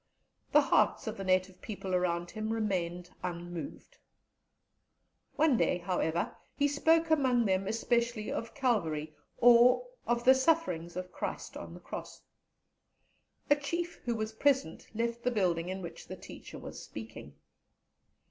The hearts of the native people around him remained unmoved. One day, however, he spoke among them especially of Calvary, of the sufferings of Christ on the Cross. A Chief who was present left the building in which the teacher was speaking.